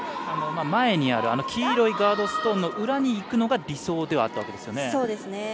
前にある黄色いガードストーンの裏に行くのが理想ではあったわけですね。